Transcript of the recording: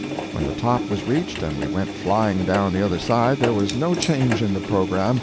When the top was reached and we went flying down the other side, there was no change in the program.